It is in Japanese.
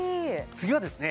次はですね